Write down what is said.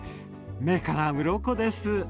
目からうろこです。